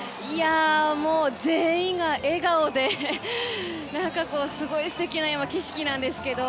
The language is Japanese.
全員が笑顔ですごい素敵な景色なんですけど。